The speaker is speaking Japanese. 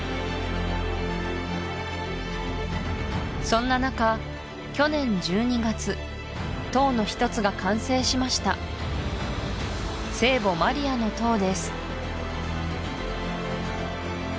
そんな中去年１２月塔の１つが完成しました聖母マリアの塔です